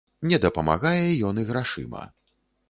Не дапамагае ён і грашыма.